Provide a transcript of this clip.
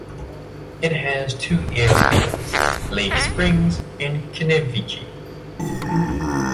It has two airfields, Lake Springs and Knevichi.